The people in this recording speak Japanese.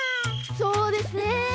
そうですね。